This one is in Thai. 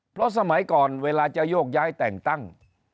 เพราะสมัยก่อนเวลาจะโยกย้ายแต่งตั้ง